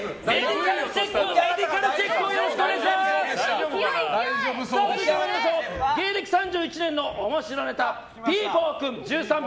続いて芸歴３１年の面白ネタピーポくん、１３秒。